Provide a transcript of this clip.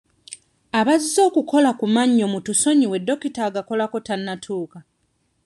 Abazze okukola ku mannyo mutusonyiwemu dokita agakolako tannatuuka.